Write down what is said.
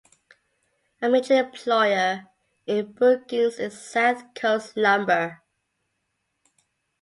A major employer in Brookings is South Coast Lumber.